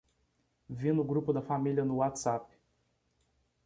Vi no grupo da família no WhatsApp